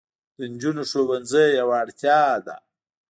د نجونو ښوونځي یوه اړتیا ده.